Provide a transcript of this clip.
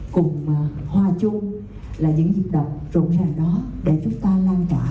cùng hòa chung là những dịch động rộng ràng đó để chúng ta lan tỏa